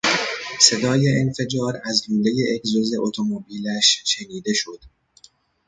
صدای انفجار از لولهی اگزوز اتومبیلش شنیده شد.